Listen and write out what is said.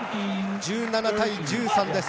１７対１３です。